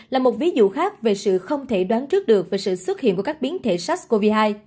là một ví dụ khác về sự không thể đoán trước được về sự xuất hiện của các biến thể sars cov hai